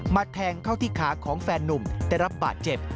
แทงเข้าที่ขาของแฟนนุ่มได้รับบาดเจ็บ